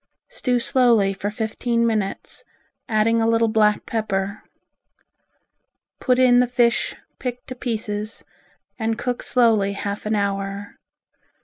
Stew slowly fifteen minutes, adding a little black pepper. Put in the fish picked to pieces and cook slowly half an hour.